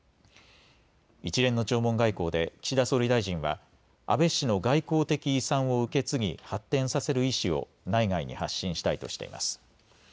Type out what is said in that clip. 一連の弔問外交で岸田総理大臣は安倍氏の外交的遺産を受け継ぎ発展させる意思を内外に発信したいとしています。